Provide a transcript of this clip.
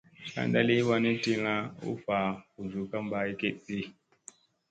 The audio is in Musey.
Caanda liy wanni tilla u vaa busu ka ba egeɗti.